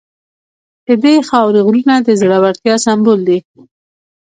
د دې خاورې غرونه د زړورتیا سمبول دي.